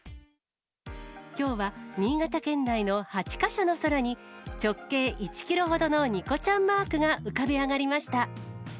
きょうは新潟県内の８か所の空に、直径１キロほどのニコちゃんマークが浮かび上がりました。